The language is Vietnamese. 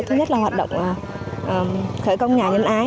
thứ nhất là hoạt động khởi công nhà nhân ái